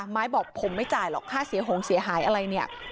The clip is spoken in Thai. ไม้บอกผมไม่จ่ายหรอกค่าเสียหงเสียหายอะไรเนี่ย